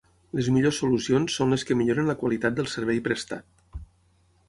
Les millors solucions són les que milloren la qualitat del servei prestat.